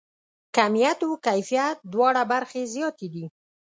کیمیت او کیفیت دواړه برخې زیاتې دي.